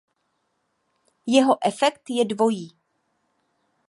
Jeho efekt je dvojí.